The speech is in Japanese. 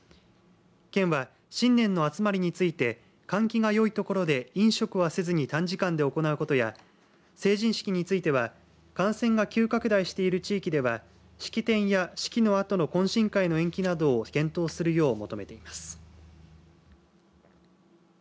県は、新年の集まりについて換気がよいところで飲食はせずに短時間で行うことや成人式については感染が急拡大している地域では式典や式のあとの懇親会の延期などを検討するよう求めています。